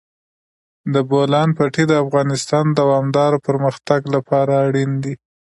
د بولان پټي د افغانستان د دوامداره پرمختګ لپاره اړین دي.